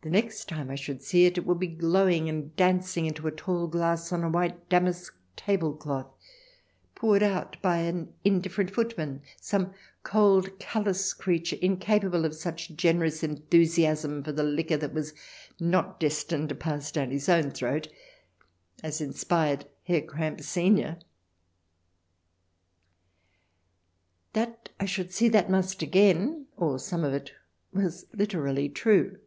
The next time I should see it would be glowing and glancing into a tall glass on a white damask tablecloth, poured out by an indifferent footman — some cold, callous creature, incapable of such generous enthusiasm for the liquor that was not destined to pass down his own throat as inspired Herr Kramp senior. That I should see that must again, or some of it, was literally true.